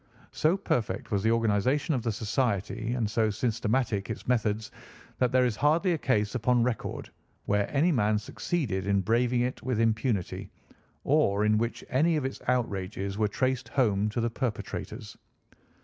So perfect was the organisation of the society, and so systematic its methods, that there is hardly a case upon record where any man succeeded in braving it with impunity, or in which any of its outrages were traced home to the perpetrators.